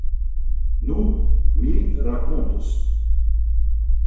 Nu, mi rakontos.